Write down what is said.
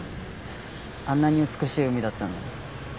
あんなに美しい海だったのに。